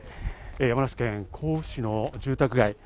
山梨県甲府市の住宅街。